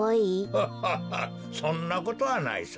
アハハそんなことはないさ。